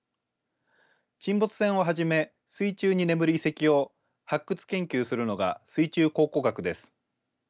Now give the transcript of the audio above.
沈没船をはじめ水中に眠る遺跡を発掘・研究するのが水中考古学です。